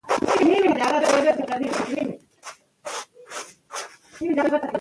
لوستې میندې ماشومان واکسین ته بیايي.